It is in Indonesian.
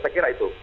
saya kira itu